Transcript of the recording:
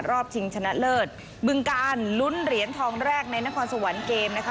ชิงชนะเลิศบึงการลุ้นเหรียญทองแรกในนครสวรรค์เกมนะคะ